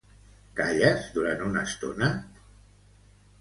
Calles durant una estona?